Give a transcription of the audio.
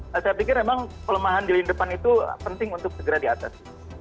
saya pikir memang pelemahan di lini depan itu penting untuk segera di atas